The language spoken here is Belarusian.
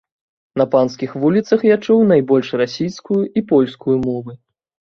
На панскіх вуліцах я чуў найбольш расійскую і польскую мовы.